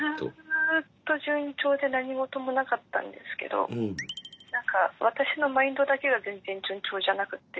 ずっと順調で何事もなかったんですけど何か私のマインドだけが全然順調じゃなくって。